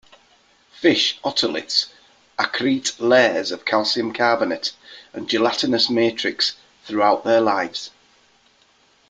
Fish otoliths accrete layers of calcium carbonate and gelatinous matrix throughout their lives.